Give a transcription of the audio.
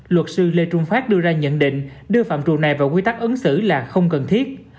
luật sư lê trung phát đưa ra nhận định đưa phạm trụ này vào quy tắc ứng xử là không cần thiết